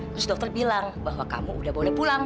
terus dokter bilang bahwa kamu udah boleh pulang